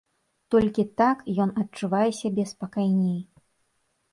Толькі так ён адчувае сябе спакайней.